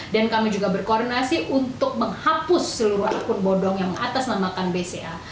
dan kami juga berkoordinasi untuk menghapus seluruh akun bodoh yang mengatasnamakan bca